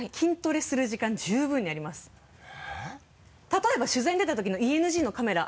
例えば取材に出てる時のＥＮＧのカメラ。